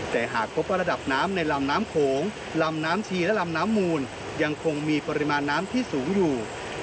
แต่หากพบว่าระดับน้ำในลำน้ำโขงลำน้ำชีและลำน้ำมูลยังคงมีปริมาณน้ำที่สูงอยู่